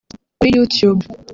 Kuri YouTube